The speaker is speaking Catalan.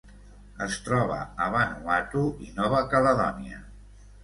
Es troba a Vanuatu i Nova Caledònia.